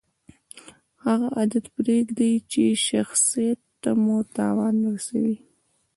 هغه عادت پرېږدئ، چي شخصت ته مو تاوان رسوي.